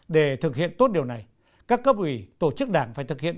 để thực hiện tốt điều này các cấp ủy tổ chức đảng phải thực hiện